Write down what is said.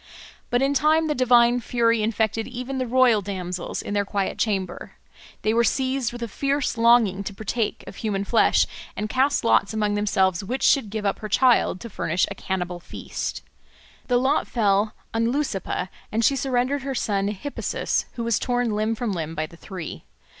But in time the divine fury infected even the royal damsels in their quiet chamber; they were seized with a fierce longing to partake of human flesh, and cast lots among themselves which should give up her child to furnish a cannibal feast. The lot fell on Leucippe, and she surrendered her son Hippasus, who was torn limb from limb by the three.